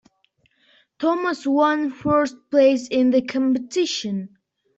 Thomas one first place in the competition.